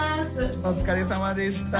お疲れさまでした。